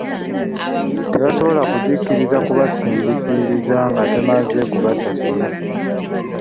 Tebasobola kugikkiriza kubasindiikiriza nga temaze kubasasula.